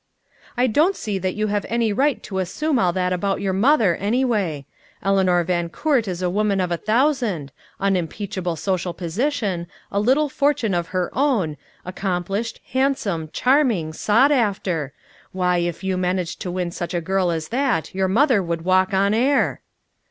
"I don't see that you have any right to assume all that about your mother, anyway. Eleanor Van Coort is a woman of a thousand unimpeachable social position a little fortune of her own accomplished, handsome, charming, sought after why, if you managed to win such a girl as that your mother would walk on air."